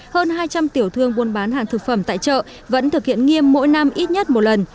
hơn hai trăm linh tiểu thương buôn bán hàng thực phẩm tại chợ vẫn thực hiện nghiêm mỗi năm ít nhất một lần